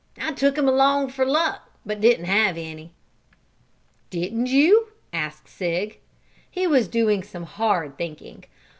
I took him along for luck, but I didn't have any." "Didn't you?" asked Sig. He was doing some hard thinking.